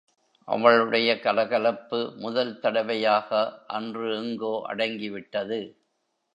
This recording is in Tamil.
அவளுடைய கலகலப்பு முதல் தடவையாக அன்று எங்கோ அடங்கிவிட்டது.